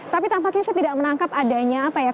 tapi tampaknya saya tidak menangkap adanya apa ya